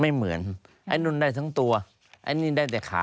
ไม่เหมือนไอ้นุ่นได้ทั้งตัวไอ้นุ่นได้แต่ขา